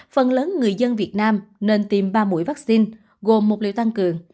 phần lớn người dân việt nam nên tiêm ba mũi vaccine gồm một liệu tăng cường